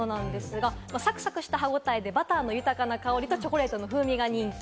サクサクした歯応えで、バターの豊かな香りとチョコレートの風味が人気。